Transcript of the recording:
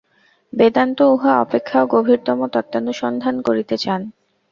বেদান্ত উহা অপেক্ষাও গভীরতম তত্ত্বানুসন্ধান করিতে চান।